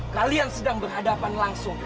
kalian sedang berhadapan langsung